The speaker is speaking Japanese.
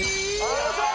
よいしょー！